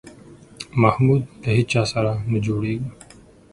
محمود له هېچا سره نه جوړېږي.